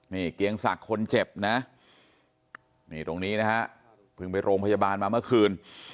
นี่เกียงศักดิ์คนเจ็บนะนี่ตรงนี้นะฮะเพิ่งไปโรงพยาบาลมาเมื่อคืน